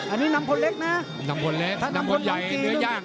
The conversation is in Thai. อันนี้น้ำพลเล็กนะน้ำพลเล็กน้ำพลใหญ่เนื้อย่าง